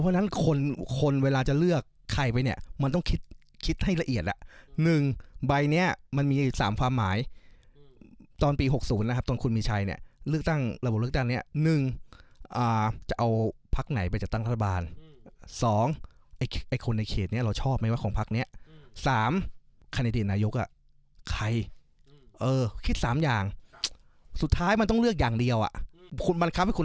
ไว้เนี้ยมันต้องคิดคิดให้ละเอียดอ่ะหนึ่งใบเนี้ยมันมีสามความหมายตอนปีหกศูนย์นะครับตอนคุณมีชัยเนี้ยเลือกตั้งระบบเลือกตั้งเนี้ยหนึ่งอ่าจะเอาพักไหนไปจะตั้งทัศนบาลสองไอ้ไอ้คนในเขตเนี้ยเราชอบไหมว่าของพักเนี้ยสามคณิตินายกอ่ะใครเออคิดสามอย่างสุดท้ายมันต้องเลือกอย่างเดียวอ่ะคุณบันค